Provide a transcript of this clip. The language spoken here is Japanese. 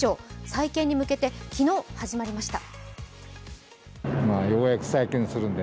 再建に向けて昨日、始まりました。